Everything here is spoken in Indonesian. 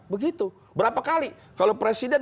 begitu berapa kali kalau presiden